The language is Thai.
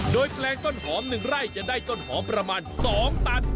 โดยแปลงต้นหอม๑ไร่จะได้ต้นหอมประมาณ๒ตัน